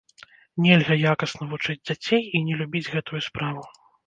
Нельга якасна вучыць дзяцей і не любіць гэтую справу.